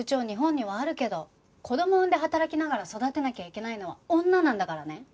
日本にはあるけど子供産んで働きながら育てなきゃいけないのは女なんだからね。